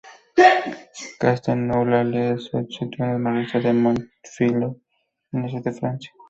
Castelnau-le-Lez se sitúe al noreste de Montpellier, en el sur de Francia.